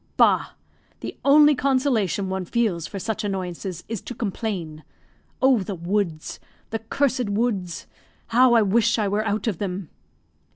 "Bah! The only consolation one feels for such annoyances is to complain. Oh, the woods! the cursed woods! how I wish I were out of them."